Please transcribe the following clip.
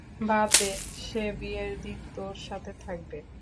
বাদ দে, সে বিয়ের দিন তোর সাথে থাকবে।